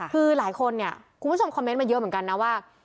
คือหลายคนเนี่ยคุณผู้ชมคอมเมนต์มาเยอะเหมือนกันนะว่า